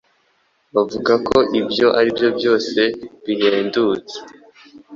Bavuga ko ibyo aribyo bihendutse.